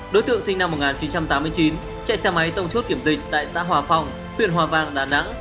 đối tượng sinh năm một nghìn chín trăm tám mươi chín chạy xe máy tông chốt kiểm dịch tại xã hòa phong huyện hòa vang đà nẵng